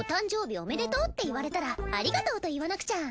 おめでとうって言われたらありがとうと言わなくちゃ。